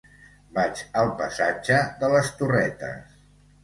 Vaig al passatge de les Torretes.